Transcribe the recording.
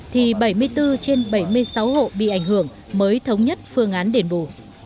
thì bảy mươi bốn trên bảy mươi sáu hộ bị ảnh hưởng mới thống nhất phương án đền bù